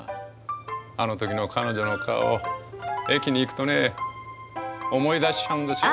あの時の彼女の顔駅に行くとね思い出しちゃうんですよ。